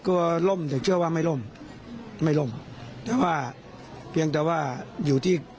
ก็มีความสุขขึ้นอยู่